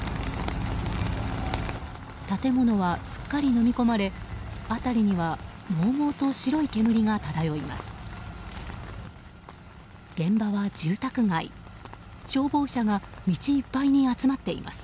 建物は、すっかりのみ込まれ辺りにはもうもうと白い煙が漂います。